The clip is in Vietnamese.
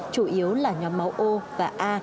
chủ yếu là nhóm máu o và a